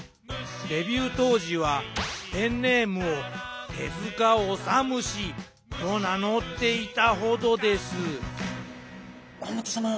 デビュー当時はペンネームを手治虫と名乗っていたほどです甲本さま